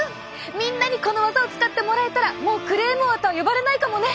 みんなにこの技を使ってもらえたらもうクレーム王と呼ばれないかもね！